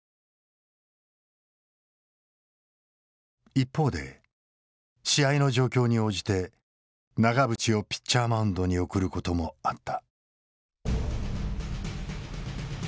一方で試合の状況に応じて永淵をピッチャーマウンドに送ることもあった。